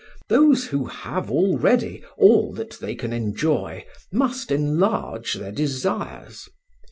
Those who have already all that they can enjoy must enlarge their desires.